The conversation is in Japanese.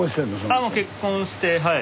ああもう結婚してはい。